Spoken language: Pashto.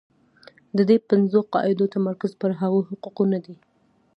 د دې پنځو قاعدو تمرکز پر هغو حقوقو دی.